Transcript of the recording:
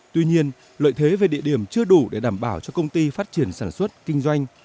tuy nhiên lợi thế về địa điểm chưa đủ để đảm bảo cho công ty phát triển sản xuất kinh doanh